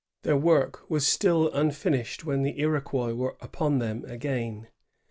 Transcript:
Their work was still unfinished when the Iroquois were upon them again.